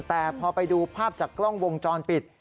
แต่พอไปดูภาพจากกล้องวงจรปิด